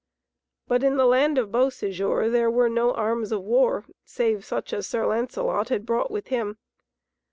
But in the land of Beausejour there were no arms of war save such as Sir Lancelot had brought with him.